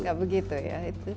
enggak begitu ya